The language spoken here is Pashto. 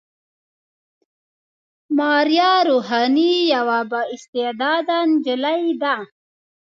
ماريه روحاني يوه با استعداده نجلۍ ده.